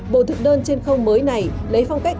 bộ thực đơn trên không mới này lấy phong cách